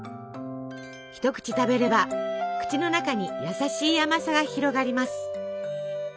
一口食べれば口の中に優しい甘さが広がります。